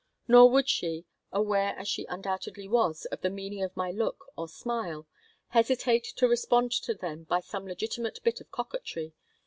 Nor would she, aware as she undoubtedly was of the meaning of my look or smile, hesitate to respond to them by some legitimate bit of coquetry.